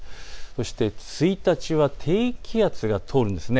そして１日は低気圧が通るんです。